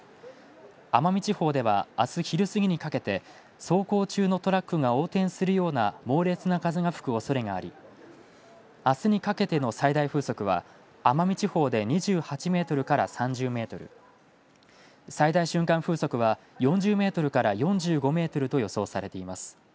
奄美地方ではあす昼過ぎにかけて走行中のトラックが横転するような猛烈な風が吹くおそれがあり、あすにかけての最大風速は奄美地方で２８メートルから３０メートル、最大瞬間風速は４０メートルから４５メートルと予想されています。